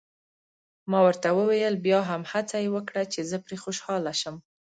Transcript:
ما ورته وویل: بیا هم هڅه یې وکړه، چې زه پرې خوشحاله شم.